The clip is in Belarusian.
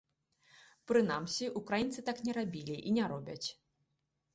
Прынамсі, украінцы так не рабілі і не робяць.